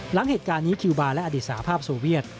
หลังเหตุการณ์นี้คิวบาร์และอดีตสาภาพโซเวียต